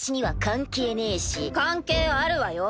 関係あるわよ。